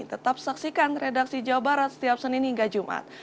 tetap saksikan redaksi jawa barat setiap senin hingga jumat